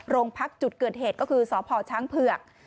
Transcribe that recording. พักจุดเกิดเหตุก็คือสพช้างเผือก